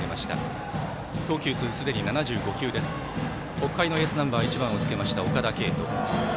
北海のエースナンバー、１番をつけました岡田彗斗。